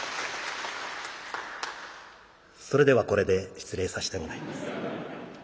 それではこれで失礼させてもらいます。